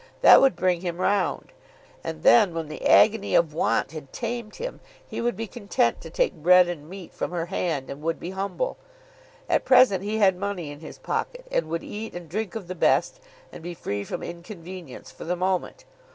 That would bring him round. And then when the agony of want had tamed him, he would be content to take bread and meat from her hand and would be humble. At present he had money in his pocket, and would eat and drink of the best, and be free from inconvenience for the moment.